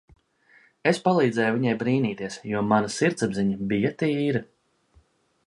Es palīdzēju viņai brīnīties, jo mana sirdsapziņa bija tīra.